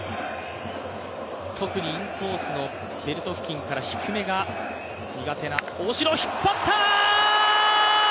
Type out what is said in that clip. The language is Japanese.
特にインコースのベルト付近から低めが苦手な大城、引っ張ったー！